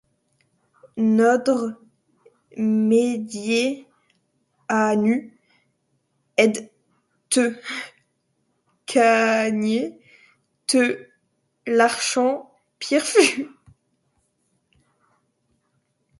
Nodre meddier, à nus, ed te cagner te l’archant pir fus...